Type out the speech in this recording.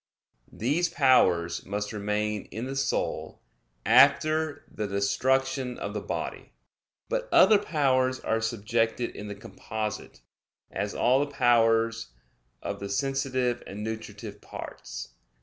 These powers must remain in the soul, after the destruction of the body. But other powers are subjected in the composite; as all the powers of the sensitive and nutritive parts.